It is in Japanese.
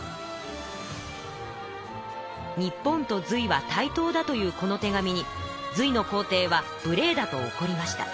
「日本と隋は対等だ」というこの手紙に隋の皇帝は「無礼だ」と怒りました。